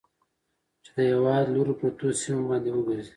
چې د هېواد لرو پرتو سيمو باندې وګرځي.